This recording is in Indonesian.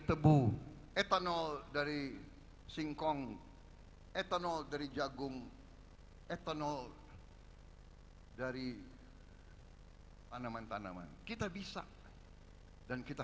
terima tebu etanol dari singkong etonol dari jagung etonol dari tanaman tanaman kita bisa dan kita